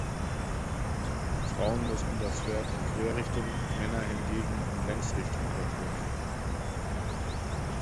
Frauen mussten das Pferd in Querrichtung, Männer hingegen in Längsrichtung überqueren.